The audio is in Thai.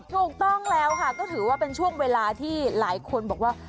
ถูกต้องแล้วค่ะก็ถือว่าเป็นช่วงเวลาที่หลายคนบอกว่า